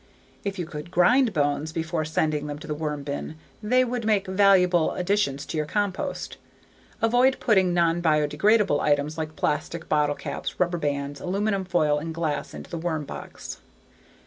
If you could grind bones before sending them to the worm bin, they would make valuable additions to your compost. Avoid putting non biodegradable items like plastic, bottle caps, rubber bands, aluminum foil, and glass into the worm box.